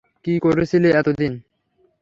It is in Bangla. কি করছিলে এত দিন?